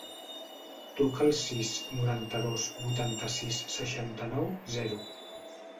Truca al sis, noranta-dos, vuitanta-sis, seixanta-nou, zero.